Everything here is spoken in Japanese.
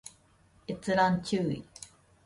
閲覧注意